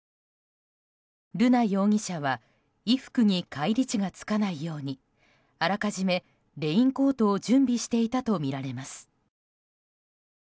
瑠奈容疑者は衣服に返り血が付かないようにあらかじめレインコートを準備していたとみられます。